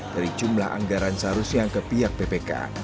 dari jumlah anggaran seharusnya ke pihak bpk